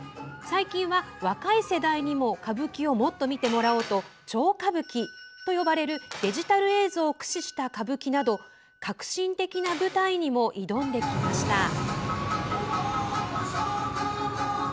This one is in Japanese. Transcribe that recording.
最近は、若い世代にも歌舞伎をもっと見てもらおうと「超歌舞伎」とよばれるデジタル映像を駆使した歌舞伎など革新的な舞台にも挑んできました。